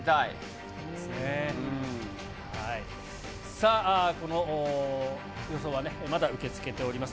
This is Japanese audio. さあ、この予想はね、まだ受け付けております。